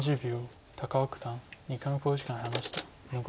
高尾九段２回目の考慮時間に入りました。